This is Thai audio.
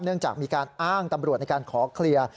จากมีการอ้างตำรวจในการขอเคลียร์